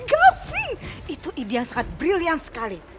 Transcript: gapi itu ide yang sangat brilian sekali